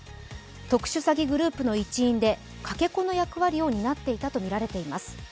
特殊詐欺グループの一員でかけ子の役割を担っていたとみられています。